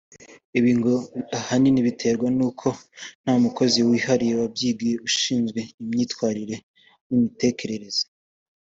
Ibi ngo ahanini biterwa n’uko nta mukozi wihariye wabyigiye ushinzwe imyitwarire n’imitekerereze